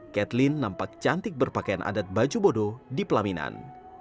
kathleen nampak cantik berpakaian adat baju bodoh di pelaminan